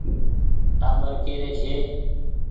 ٽآٻر ڪي ري ڇي ۔